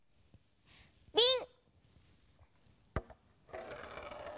びん。